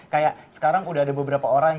kayak sekarang udah ada beberapa orang